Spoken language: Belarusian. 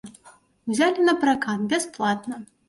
Узялі на пракат, бясплатна.